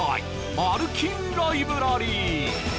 マルキンライブラリー